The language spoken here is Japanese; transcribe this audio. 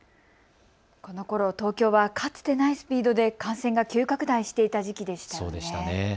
このころ東京はかつてないスピードで感染が急拡大していた時期でしたね。